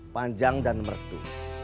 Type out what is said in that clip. panjang dan mertu